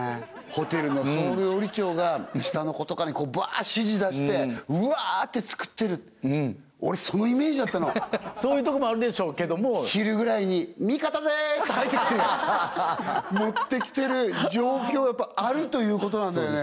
ホテルの総料理長が下の子とかにブワーッ指示出してうわーって作ってる俺そのイメージだったのそういうとこもあるでしょうけど昼ぐらいに「見方でーす」って入ってきて持ってきてる状況やっぱあるということなんだよね